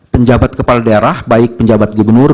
penjabat kepala daerah baik penjabat gubernur